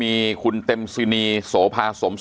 อันดับสุดท้าย